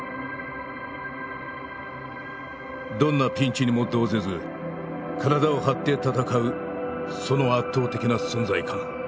どんなピンチにも動ぜず体を張って戦うその圧倒的な存在感。